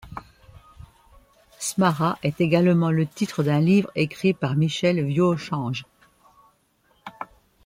Smara est également le titre d'un livre écrit par Michel Vieuchange.